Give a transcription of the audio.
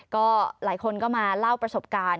ก็หลายคนก็มาเล่าประสบการณ์